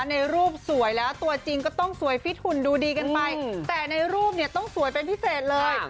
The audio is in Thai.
ในรูปสวยแล้วตัวจริงก็ต้องสวยฟิตหุ่นดูดีกันไปแต่ในรูปเนี่ยต้องสวยเป็นพิเศษเลย